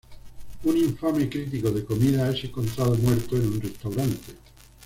Un infame crítico de comida es encontrado muerto en un restaurante.